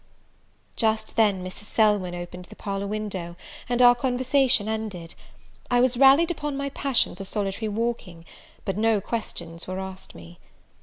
Just then Mrs. Selwyn opened the parlour window, and our conversation ended. I was rallied upon my passion for solitary walking; but no questions were asked me.